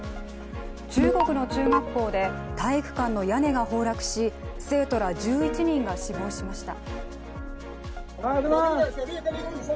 中国の中学校で体育館の屋根が崩落し生徒ら１１人が死亡しました。